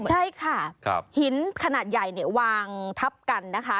ใช่ค่ะหินขนาดใหญ่วางทับกันนะคะ